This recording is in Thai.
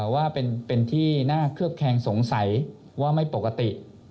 ว่าเป็นที่น่าเคลือบแคงสงสัยว่าไม่ปกติ